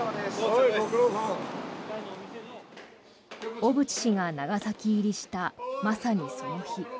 小渕氏が長崎入りしたまさにその日。